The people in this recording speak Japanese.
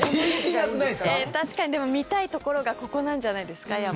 でも、見たいところがここなんじゃないですか？